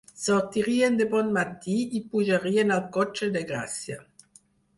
Sortirien de bon matí i pujarien al cotxe de Gracia